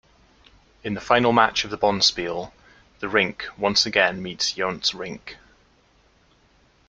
In the final match of the bonspiel, the rink once again meets Yount's rink.